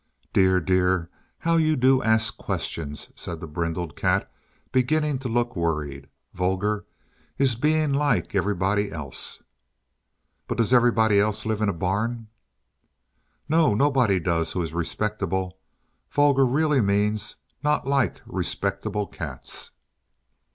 "Dear, dear; how you do ask questions," said the brindled cat, beginning to look worried. "Vulgar is being like everybody else." "But does everybody else live in a barn?" "No; nobody does who is respectable. Vulgar really means not like respectable cats."